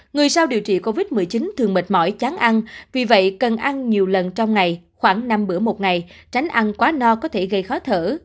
người sau điều trị covid một mươi chín thường mệt mỏi chán ăn vì vậy cần ăn nhiều lần trong ngày khoảng năm bữa một ngày tránh ăn quá no có thể gây khó thở